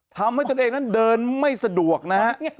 ทำให้ตัวเองนั้นเดินไม่สะดวกนะครับ